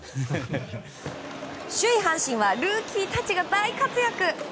首位、阪神はルーキーたちが大活躍。